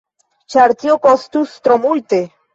Ĉar tio kostus tro multe.